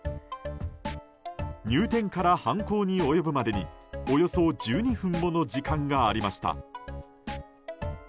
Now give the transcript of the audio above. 入店から犯行に及ぶまでにおよそ１２分もの時間がありました。